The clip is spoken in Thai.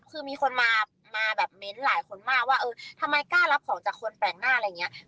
คือมีคนมาแบบเม้นต์หลายคนมากว่าเออทำไมกล้ารับของจากคนแปลกหน้าอะไรอย่างนี้